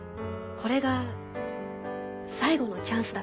これが最後のチャンスだから。